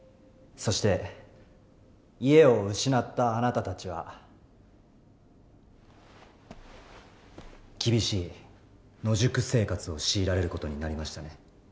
そして家を失ったあなたたちは厳しい野宿生活を強いられる事になりましたね。